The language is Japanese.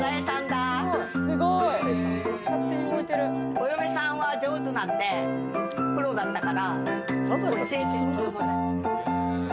お嫁さんは上手なんで、プロだったから。